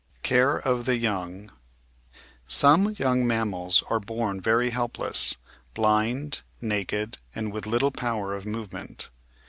Care of the Young Some young mammals are born very helpless — blind, naked, and with little power of movement.